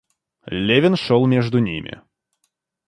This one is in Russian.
Левин шел между ними.